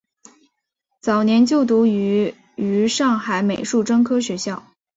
早年就读于于上海美术专科学校。